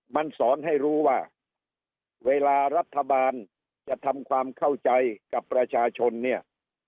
มันสอนให้รู้ว่าเวลารัฐบาลจะทำความเข้าใจกับประชาชนเนี่ย